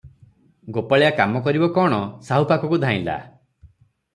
ଗୋପାଳିଆ କାମ କରିବ କଣ ସାହୁ ପାଖକୁ ଧାଇଁଲା ।